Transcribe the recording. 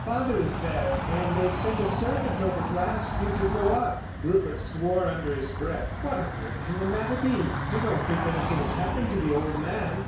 "Father is there, and they've sent a servant over to ask you to go up." Rupert swore under his breath. "What on earth can the matter be? You don't think anything has happened to—the old man?"